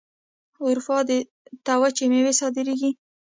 اروپا ته وچې میوې صادریږي.